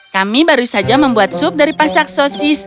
kami baru saja membuat sup dari pasak sosis